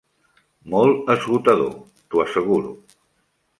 Molt esgotador, t'ho asseguro.